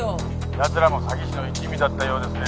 「奴らも詐欺師の一味だったようですね」